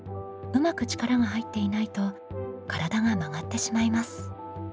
うまく力が入っていないと体が曲がってしまいます。